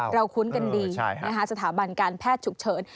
คุ้นกันดีสถาบันการแพทย์ฉุกเฉิน